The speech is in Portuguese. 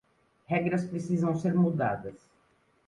Regras precisam ser mudadas.